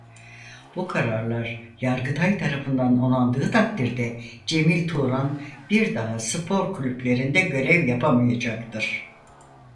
Bu kararlar Yargıtay tarafından onandığı takdirde Cemil Turan bir daha spor kulüplerinde görev yapamayacaktır.